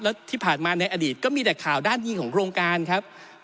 แล้วที่ผ่านมาในอดีตก็มีแต่ข่าวด้านยิงของโครงการครับ